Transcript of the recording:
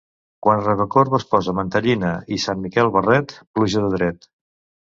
Quan Rocacorba es posa mantellina i Sant Miquel barret, pluja de dret.